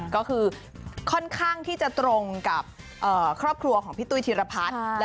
ก็คือค่อนข้างที่จะตรงกับครอบครัวของพี่ตุ้ยธีรพัฒน์